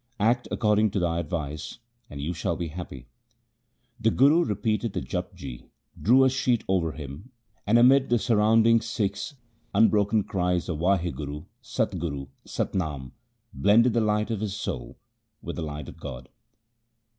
Act according to my advice, and you shall be happy.' The Guru repeated the Japji, drew a sheet over him and amid the surrounding Sikhs' unbroken cries of Wahguru ! Sat Guru ! Sat Nam ! blended the light of his soul with the light of God.